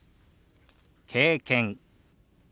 「経験」。